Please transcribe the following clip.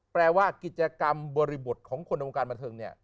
แปลว่ากิจกรรมบริบทของคนในวงการบันเทิงเนี่ย